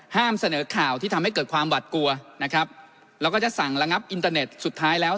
เสนอข่าวที่ทำให้เกิดความหวัดกลัวนะครับแล้วก็จะสั่งระงับอินเตอร์เน็ตสุดท้ายแล้ว